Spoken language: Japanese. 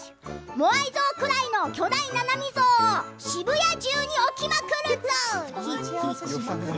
モアイ像ぐらいの巨大な、ななみ像を渋谷に置きまくるぞ！